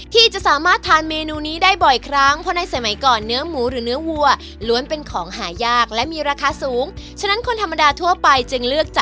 ที่จะสามารถทานเมนูนี้ได้บ่อยครั้ง